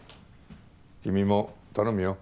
君も頼むよ。